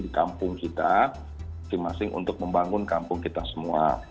di kampung kita masing masing untuk membangun kampung kita semua